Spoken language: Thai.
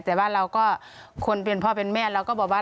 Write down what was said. แต่ว่าเราก็คนเป็นพ่อเป็นแม่เราก็บอกว่า